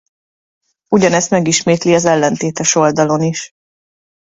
Ugyanezt megismétli az ellentétes oldalon is.